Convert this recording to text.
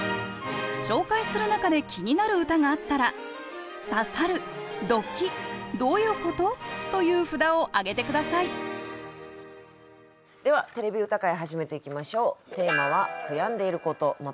紹介する中で気になる歌があったら「刺さる」「ドキッ」「どういうこと？」という札をあげて下さいでは「てれび歌会」始めていきましょう。